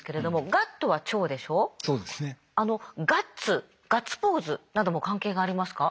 ガッツガッツポーズなども関係がありますか？